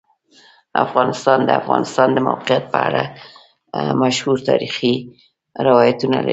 افغانستان د د افغانستان د موقعیت په اړه مشهور تاریخی روایتونه لري.